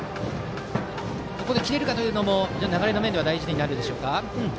ここで切れるかというのも流れの面では大事ですか。